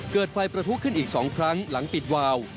เกิดไฟประทุขึ้นอีก๒ครั้งหลังปิดวาว